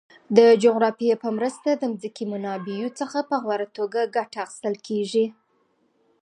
د جغرافیه په مرسته د ځمکې منابعو څخه په غوره توګه ګټه اخیستل کیږي.